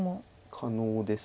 可能です。